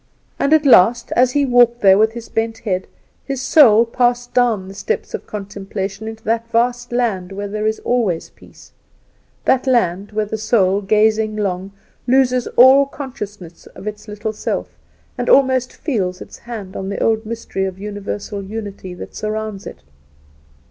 And, at last, as he walked there with his bent head, his soul passed down the steps of contemplation into that vast land where there is always peace; that land where the soul, gazing long, loses all consciousness of its little self, and almost feels its hand on the old mystery of Universal unity that surrounds it.